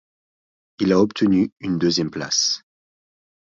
Il a obtenu une deuxième place.